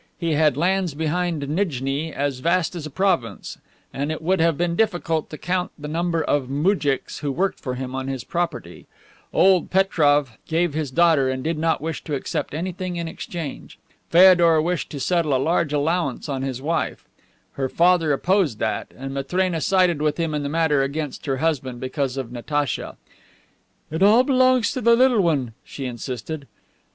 He had lands behind Nijni as vast as a province, and it would have been difficult to count the number of moujiks who worked for him on his property. Old Pretroff gave his daughter and did not wish to accept anything in exchange. Feodor wished to settle a large allowance on his wife; her father opposed that, and Matrena sided with him in the matter against her husband, because of Natacha. "It all belongs to the little one," she insisted.